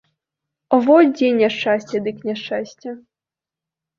Во дзе няшчасце дык няшчасце.